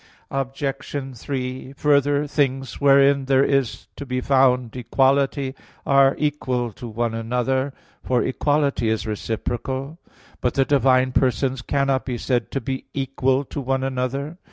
Obj. 3: Further, things wherein there is to be found equality, are equal to one another, for equality is reciprocal. But the divine persons cannot be said to be equal to one another.